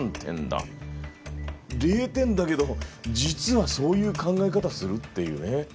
０点だけど実はそういう考え方するっていうね。